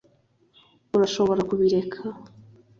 urashobora kubireka